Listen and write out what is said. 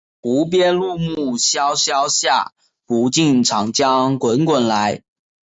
无边落木萧萧下，不尽长江滚滚来